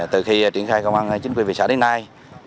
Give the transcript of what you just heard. từ khi triển khai công an chính quy về xã đến nay